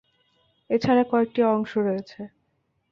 এছাড়া কয়েকটি অংশ রয়েছে।